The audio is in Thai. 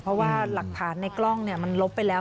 เพราะว่าหลักฐานในกล้องมันลบไปแล้ว